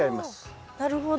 なるほど。